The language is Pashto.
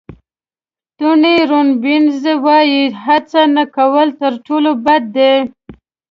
ټوني روبینز وایي هڅه نه کول تر ټولو بد دي.